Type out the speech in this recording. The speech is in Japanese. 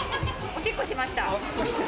おしっこしました。